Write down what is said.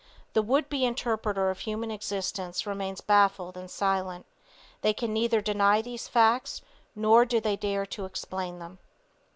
The would be interpreter of human existence remains baffled and silent; they can neither deny these facts nor do they dare to explain them.